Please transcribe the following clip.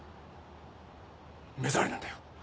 目障りなんだよ